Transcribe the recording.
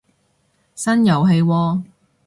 新遊戲喎